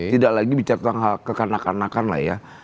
tidak lagi bicara tentang kekanak kanakan lah ya